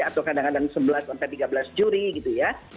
atau kadang kadang sebelas sampai tiga belas juri gitu ya